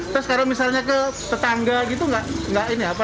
terus kalau misalnya ke tetangga gitu enggak malu gitu